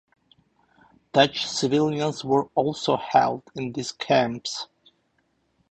Dutch civilians were also held in these camps.